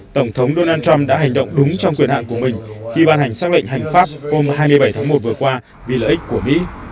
tổng thống donald trump đã hành động đúng trong quyền hạn của mình khi ban hành xác lệnh hành pháp hôm hai mươi bảy tháng một vừa qua vì lợi ích của mỹ